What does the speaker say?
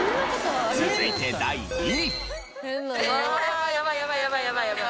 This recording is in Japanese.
続いて第２位。